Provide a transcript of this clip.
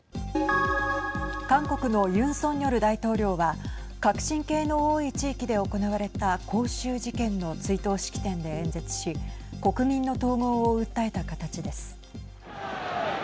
韓国のユン・ソンニョル大統領は革新系の多い地域で行われた光州事件の追悼式典で演説し国民の統合を訴えた形です。